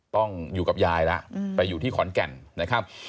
ต้องอยู่กับยายแล้วไปอยู่ที่ขอนแก่นนะครับ